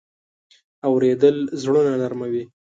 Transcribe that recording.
اورېدل زړونه نرمه وي.